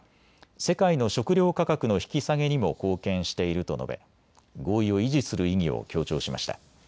世界の食料価格の引き下げにも貢献していると述べ合意を維持する意義を強調しました。